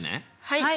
はい。